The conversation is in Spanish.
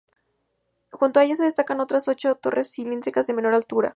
Junto a ella, se destacan otras ocho torres cilíndricas, de menor altura.